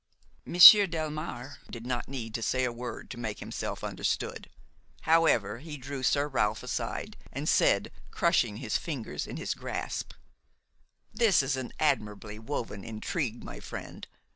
Monsieur Delmare did not need to say a word to make himself understood; however he drew Sir Ralph aside and said, crushing his fingers in his grasp: "This is an admirably woven intrigue, my friend.